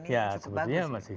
ya sepertinya masih